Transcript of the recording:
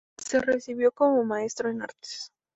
Se recibió como Maestro en Artes.